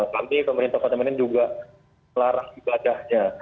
nanti pemerintah kota medan juga melarang ibadahnya